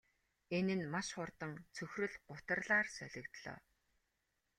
Энэ нь маш хурдан цөхрөл гутралаар солигдлоо.